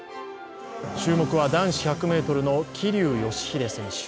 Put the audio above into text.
注目は男子１００ｍの桐生祥秀選手。